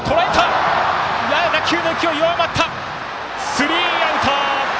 スリーアウト！